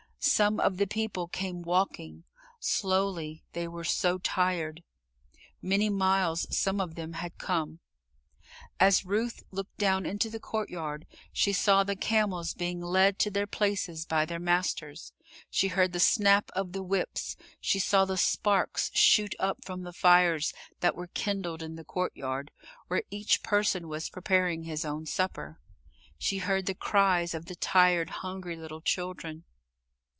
Some of the people came walking slowly; they were so tired. Many miles some of them had come. As Ruth looked down into the courtyard, she saw the camels being led to their places by their masters, she heard the snap of the whips, she saw the sparks shoot up from the fires that were kindled in the courtyard, where each person was preparing his own supper; she heard the cries of the tired, hungry little children.